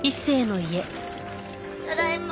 ただいま！